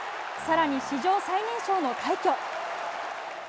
さらに史上最年少の快挙。